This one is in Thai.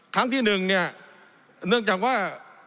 ครั้งที่๑เนื่องจากว่า